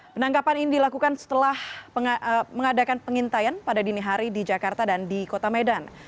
penangkapan ini dilakukan setelah mengadakan pengintaian pada dini hari di jakarta dan di kota medan